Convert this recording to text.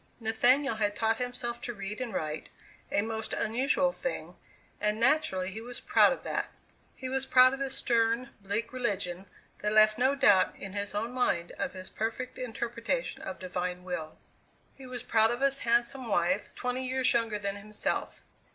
Nathaniel had taught himself to read and write a most unusual thing and naturally he was proud of that. He was proud of his stern, bleak religion that left no doubt in his own mind of his perfect interpretation of divine will. He was proud of his handsome wife twenty years younger than himself.